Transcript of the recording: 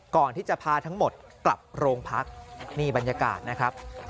ก่อนที่จะพาทั้งหมดกลับโรงพักนี่บรรยากาศนะครับ